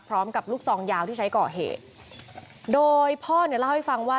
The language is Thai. พร้อมกับลูกทรองยาวที่ใช้ก่อเหโดยพ่อเนี่ยเล่าให้ฟังว่า